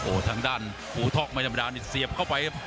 โอ้ทางด้านกูท็อคไม่ธรรมดานี่เสียบเข้าไป